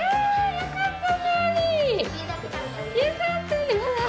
よかったね。